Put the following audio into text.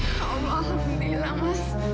oh allah alhamdulillah mas